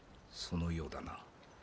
そのようだな。